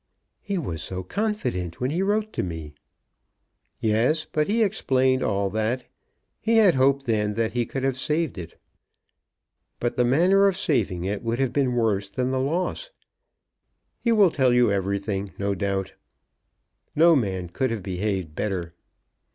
"He was so confident when he wrote to me!" "Yes; but he explained all that. He had hoped then that he could have saved it. But the manner of saving it would have been worse than the loss. He will tell you everything, no doubt. No man could have behaved better."